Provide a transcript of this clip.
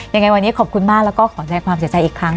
ยังไงวันนี้ขอบคุณมากแล้วก็ขอแสดงความเสียใจอีกครั้ง